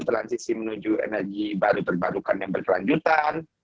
transisi menuju energi baru terbarukan yang berkelanjutan